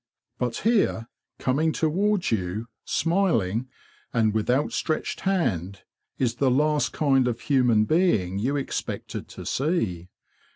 But here, coming towards you, smiling, and with outstretched hand, is the last kind of human being you expected to see.